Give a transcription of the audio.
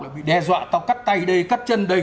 là bị đe dọa tao cắt tay đây cắt chân đây